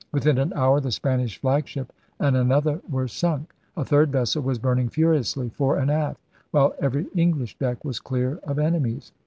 Within an hour the Spanish flagship and another were sunk, a third vessel was burning furiously, fore and aft, while every English deck was clear of enemies.